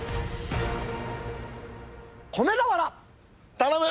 頼む！